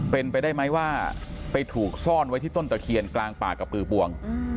เป็นไปได้ไหมว่าไปถูกซ่อนไว้ที่ต้นตะเคียนกลางป่ากับปือปวง